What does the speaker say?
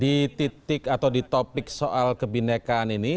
di titik atau di topik soal kebinekaan ini